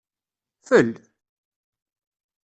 Fel!